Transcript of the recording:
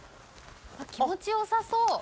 気持ち良さそう！